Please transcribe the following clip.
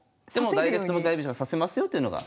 ダイレクト向かい飛車は指せますよというのが。